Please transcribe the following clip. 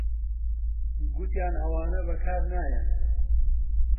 گوتیان ئەوانە بەکار نایەن